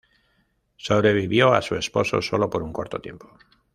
Sobrevivió a su esposo solo por un corto tiempo.